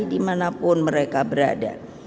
dimanapun mereka berada